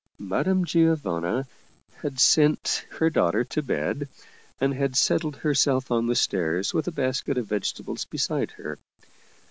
Madame Giovanna had sent 37 German Mystery Stories her daughter to bed, and had settled herself on the stairs with a basket of vegetables beside her.